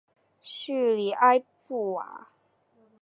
叙里埃布瓦。